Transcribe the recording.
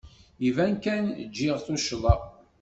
Iban kan giɣ tuccḍa.